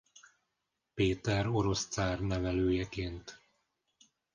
Péter orosz cár nevelőjeként.